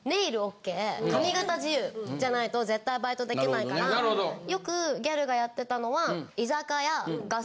じゃないと絶対バイトできないからよくギャルがやってたのは。